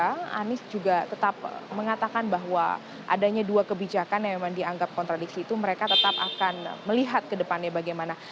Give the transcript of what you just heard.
karena anies juga tetap mengatakan bahwa adanya dua kebijakan yang memang dianggap kontradiksi itu mereka tetap akan melihat ke depannya bagaimana